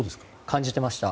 感じてました。